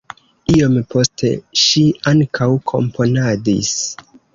Iom poste ŝi ankaŭ komponadis.